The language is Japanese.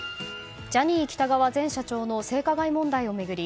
ジャニー喜多川前社長の性加害問題を巡り